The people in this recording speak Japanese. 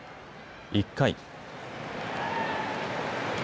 １回。